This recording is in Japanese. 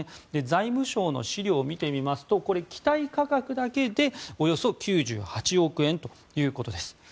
財務省の資料を見てみますと機体価格だけでおよそ９８億円ということです。